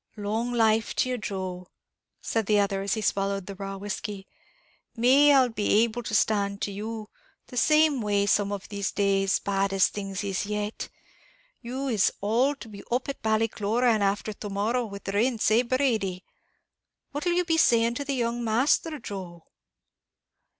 "Long life to you, Joe," said the other, as he swallowed the raw whiskey; "may be I'll be able to stand to you, the same way, some of these days, bad as things is yet. You is all to be up at Ballycloran afther to morrow, with the rints, eh Brady? What'll you be saying to the young Masther, Joe?"